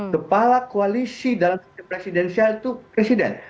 kepala koalisi dalam presidensial itu presiden